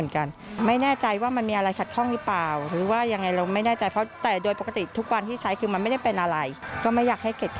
ก็ไม่อยากให้เก็บขึ้นอย่างนี้เนอะเสียใจนะคะ